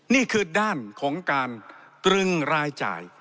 นี่คือด้านของการตรึงรายจ่าย